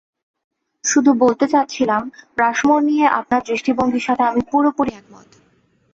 শুধু বলতে চাচ্ছিলাম রাশমোর নিয়ে আপনার দৃষ্টিভঙ্গির সাথে আমি পুরোপুরি একমত।